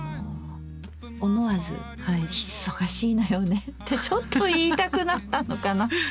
思わず「忙しいのよね」ってちょっと言いたくなったのかなって。